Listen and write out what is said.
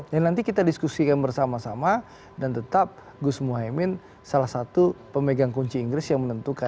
dan nanti kita diskusikan bersama sama dan tetap gus muhyiddin salah satu pemegang kunci inggris yang menentukan